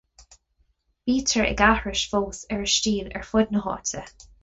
Bítear ag aithris fós ar a stíl ar fud na háite.